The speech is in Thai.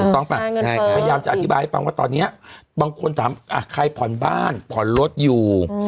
ต้องป่ะพยายามจะอธิบายให้ฟังว่าตอนนี้บางคนถามใครผ่อนบ้านผ่อนรถอยู่